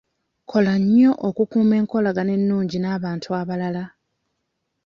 Kola nnyo okukuuma enkolagana ennungi n'abantu abalala.